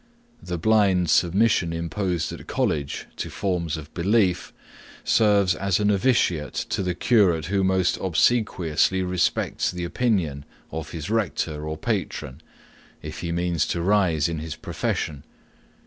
The blind submission imposed at college to forms of belief, serves as a noviciate to the curate who most obsequiously respects the opinion of his rector or patron, if he means to rise in his profession.